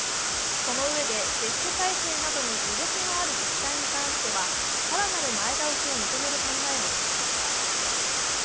そのうえで接種体制などに余力がある自治体に関しては更なる前倒しを認める考えも示しました。